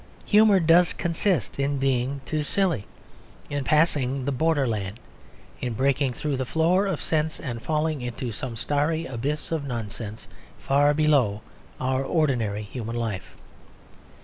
Humour does consist in being too silly, in passing the borderland, in breaking through the floor of sense and falling into some starry abyss of nonsense far below our ordinary human life.